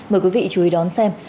mời quý vị chú ý đón xem